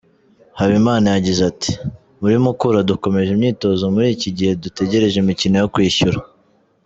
Habimana yagize ati “ Muri Mukura dukomeje imyitozo muri iki gihe dutegereje imikino yo kwishyura.